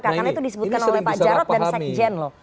karena itu disebutkan oleh pak jarud dan sekjen loh